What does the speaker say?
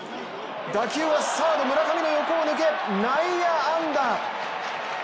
打球はサード・村上の横を抜け内野安打。